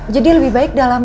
jadi lebih baik dalam